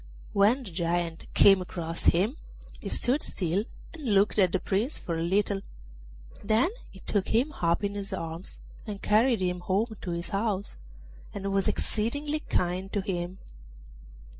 When the Giant came across him, he stood still and looked at the Prince for a little; then he took him up in his arms and carried him home to his house, and was exceedingly kind to him.